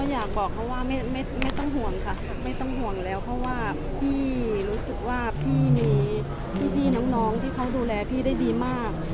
อยากบอกเขาว่าไม่ต้องห่วงค่ะไม่ต้องห่วงแล้วเพราะว่าพี่รู้สึกว่าพี่มีพี่น้องที่เขาดูแลพี่ได้ดีมาก